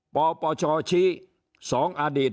ปปชชสองอดีต